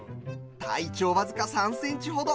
体長わずか３センチほど。